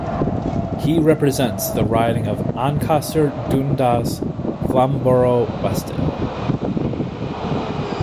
He represents the riding of Ancaster-Dundas-Flamborough-Westdale.